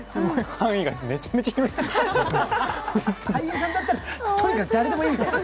範囲がめちゃめちゃ広いですね。